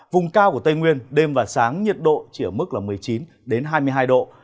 vùng cao của tây nguyên đêm và sáng nhiệt độ chỉ ở mức một mươi chín hai mươi hai độ